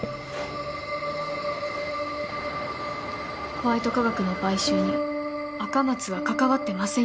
ホワイト化学の買収に赤松は関わってませんよね？